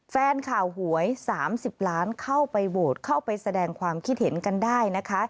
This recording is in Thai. แฟนข่าวหวย๓๐ล้านเข้าไปโหวตเข้าไปแสดงความคิดเห็นกันได้นะคะ